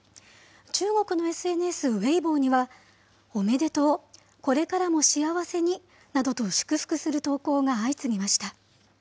中国のＳＮＳ、ウェイボーには、おめでとう、これからも幸せになどと祝福する投稿が相次ぎました。